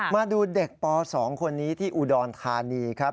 มาดูเด็กป๒คนนี้ที่อุดรธานีครับ